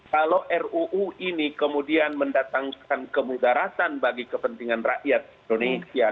kalau ruu ini kemudian mendatangkan kemudaratan bagi kepentingan rakyat indonesia